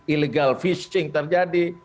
illegal fishing terjadi